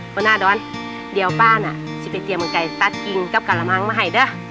หัวหน้าดอนเดี๋ยวป้าน่ะจะไปเตรียมมันไก่ตัดกิ่งกับกะละมังมาให้เด้อ